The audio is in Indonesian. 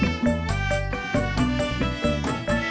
ikutin sipur terus